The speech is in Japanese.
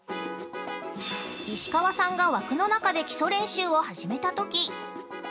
◆石川さんが枠の中で基礎練習を始めたとき